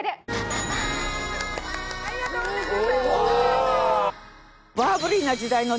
ありがとうございます。